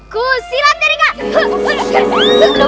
kusilat dari kak